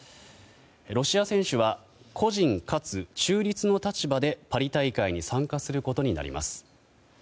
ロシア選手は個人かつ中立の立場でパリ大会に参加することになります。